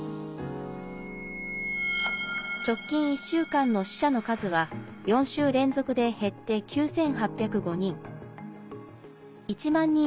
直近１週間の死者の数は４週連続で減って９８０５人。